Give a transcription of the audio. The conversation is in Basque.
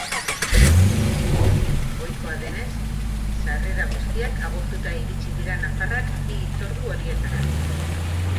Ohikoa denez, sarrera guztiak agortuta iritsiko dira nafarrak bi hitzordu horietara.